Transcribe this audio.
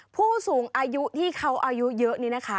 ผู้สูงอายุที่เขาอายุเยอะนี่นะคะ